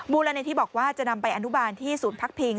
มูลนิธิบอกว่าจะนำไปอนุบาลที่ศูนย์พักพิง